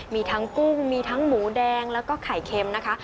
มีทั้งกุ้งมีทั้งหมูแดงแล้วก็ไข่เค็มนะคะ